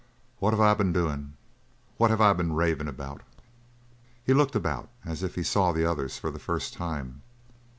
"What have I been doin'? What have I been ravin' about?" He looked about as if he saw the others for the first time.